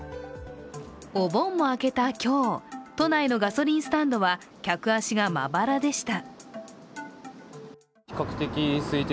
お盆も明けた今日、都内のガソリンスタンドは客足がまばらでした。